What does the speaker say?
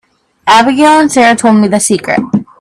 Abigail and Sara told me the secret.